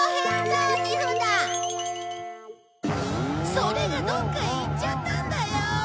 それがどっかへいっちゃったんだよ！